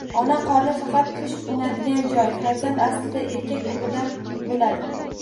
Ona qorni faqat pusht unadigan joy, farzand aslida erkak urug‘idan bo‘ladi.